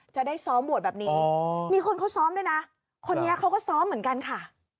จะได้ซ้อมบวชแบบนี้มีคนเขาซ้อมด้วยนะคนนี้เขาก็ซ้อมเหมือนกันค่ะ